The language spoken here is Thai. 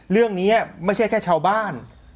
เรื่องนี้ไม่ใช่แค่ชาวบ้าน